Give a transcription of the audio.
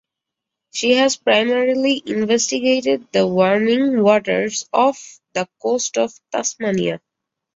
She has primarily investigated the warming waters off the coast of Tasmania.